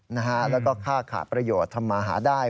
แล้วก็ค่าขาดประโยชน์ทำมาหาได้